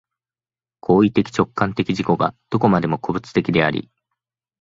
行為的直観的自己がどこまでも個物的であり、